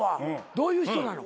どういう人なの？